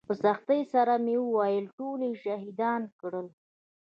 په سختۍ سره مې وويل ټول يې شهيدان کړل.